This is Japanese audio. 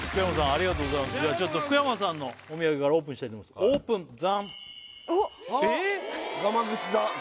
ありがとうございますじゃあちょっと福山さんのお土産からオープンしたいと思いますオープンザンッええっ！